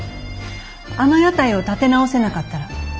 あの屋台を立て直せなかったらあなたはクビ。